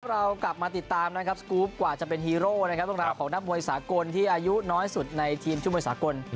เรากลับมาติดตามกว่าจะเป็นฮีโร่ของนับมวยสากลที่อายุน้อยสุดในทีมชุมมวยสากล